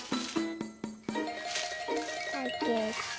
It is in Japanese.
かけて。